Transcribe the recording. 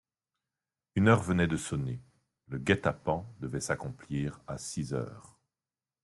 Une heure venait de sonner, le guet-apens devait s'accomplir à six heures.